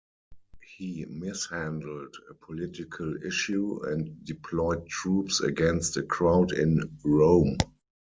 He mishandled a political issue and deployed troops against a crowd in Rome.